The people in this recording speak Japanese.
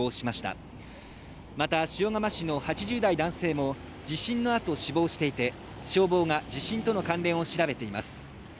また、塩竃市の８０代男性も地震のあと死亡していて、消防が地震との関連を調べています。